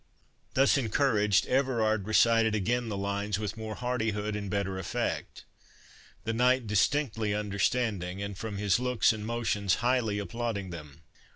Thus encouraged, Everard recited again the lines with more hardihood and better effect; the knight distinctly understanding, and from his looks and motions, highly applauding them.